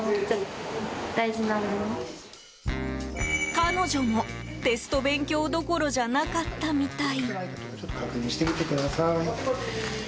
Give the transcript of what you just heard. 彼女もテスト勉強どころじゃなかったみたい。